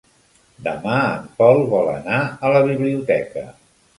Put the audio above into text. Demà en Pol vol anar a la biblioteca.